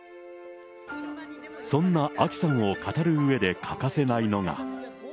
そんなあきさんを語るうえで欠かせないのが。